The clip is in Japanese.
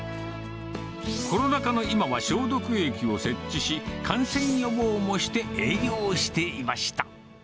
コロナ禍の今は消毒液を設置し、感染予防もして営業していました。